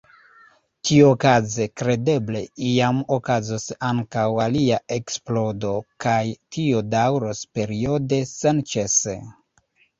Tiuokaze, kredeble, iam okazos ankaŭ alia eksplodo kaj tio daŭros periode, senĉese.